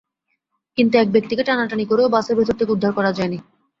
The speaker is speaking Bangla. কিন্তু এক ব্যক্তিকে টানাটানি করেও বাসের ভেতর থেকে উদ্ধার করা যায়নি।